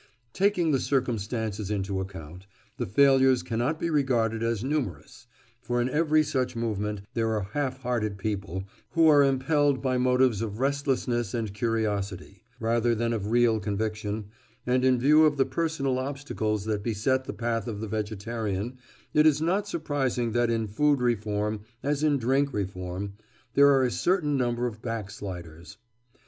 Taking the circumstances into account, the failures cannot be regarded as numerous; for in every such movement there are half hearted people who are impelled by motives of restlessness and curiosity, rather than of real conviction, and in view of the personal obstacles that beset the path of the vegetarian it is not surprising that in food reform, as in drink reform, there are a certain number of backsliders.